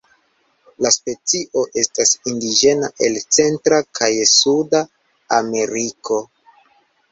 La specio estas indiĝena el Centra kaj Suda Ameriko.